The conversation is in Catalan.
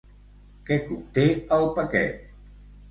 Què conté el paquet?